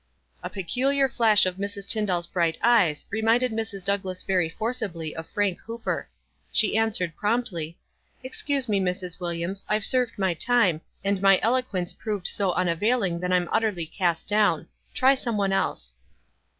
A peculiar flash of Mrs. Tyndall's bright ey< reminded Mrs. Douglass very forcibly of Frai: Hooper. She answered, promptly, — WISE AND OTHEKWISE. 49 "Excuse me, Mrs. Williams, I've served my time, and my eloquence proved so unavailing that I'm utterly cast down. Try some one else."